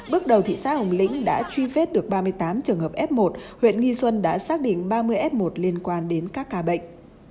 bước đầu thị xã hồng lĩnh đã truy vết được ba mươi tám trường hợp f một huyện nghi xuân đã xác định ba mươi f một liên quan đến các ca bệnh